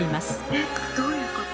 えっどういうこと？